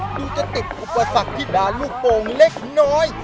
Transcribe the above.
ดูจะติดอุปสรรคที่ด่าลูกโป่งเล็กน้อย